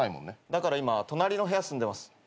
だから今隣の部屋住んでます。